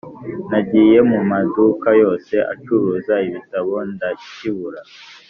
nagiye mu maduka yose acuruza ibitabo ndakibura